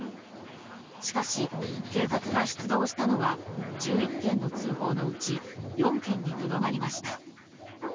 しかし、警察が出動したのは１１件の通報のうち４件にとどまりました。